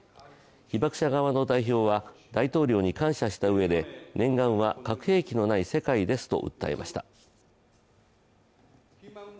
被爆者側の代表は、大統領に感謝したうえで念願は核兵器のない世界ですと訴えました。